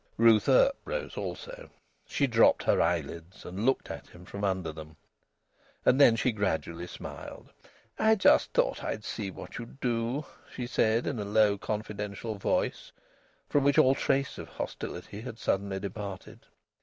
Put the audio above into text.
Ruth Earp rose also. She dropped her eyelids and looked at him from under them. And then she gradually smiled. "I thought I'd just see what you'd do," she said, in a low, confidential voice from which all trace of hostility had suddenly departed.